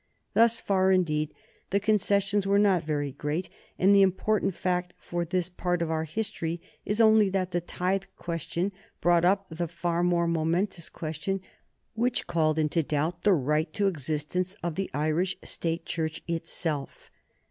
Thus far, indeed, the concessions were not very great, and the important fact for this part of our history is only that the tithe question brought up the far more momentous question which called into doubt the right to existence of the Irish State Church itself.